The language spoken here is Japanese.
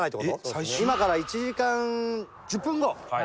今から１時間１０分後。